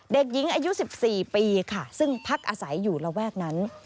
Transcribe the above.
เด็กหญิงอายุ๑๔ปีค่ะซึ่งพักอาศัยอยู่ระแวกนั้น